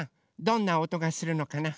どんなおとがするのかな？